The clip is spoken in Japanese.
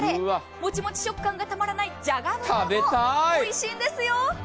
モチモチ食感がたまらないじゃが豚もおいしいんですよ。